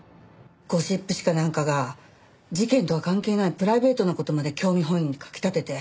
ゴシップ誌かなんかが事件とは関係ないプライベートな事まで興味本位に書き立てて。